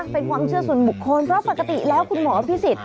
เป็นความเชื่อส่วนบุคคลเพราะปกติแล้วคุณหมอพิสิทธิ